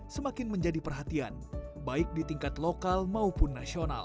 semakin menjadi perhatian baik di tingkat lokal maupun nasional